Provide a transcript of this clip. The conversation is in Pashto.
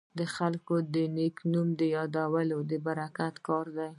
د خلکو د نیک نوم یادول د برکت کار دی.